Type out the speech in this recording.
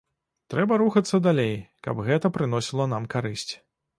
Трэба рухацца далей, каб гэта прыносіла нам карысць.